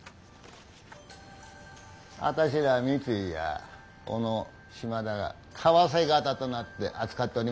あたしら三井や小野島田が為替方となって扱っておりますがね